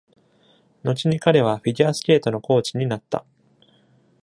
後に彼はフィギュアスケートのコーチになった。